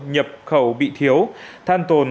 nhập khẩu bị thiếu than tồn